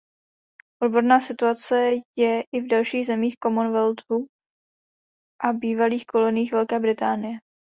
Obdobná situace je i v dalších zemích Commonwealthu a bývalých koloniích Velké Británie.